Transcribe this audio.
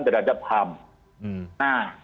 penghormatan terhadap ham